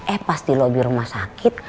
eh pas di lobi rumah sakit